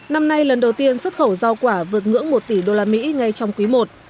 năm nay lần đầu tiên xuất khẩu rau quả vượt ngưỡng một tỷ đô la mỹ ngay trong quý i